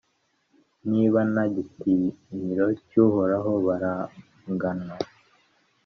niba nta gitinyiro cy’Uhoraho baranganwa